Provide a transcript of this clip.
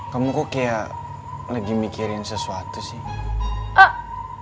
kamu kok kayak lagi mikirin sesuatu sih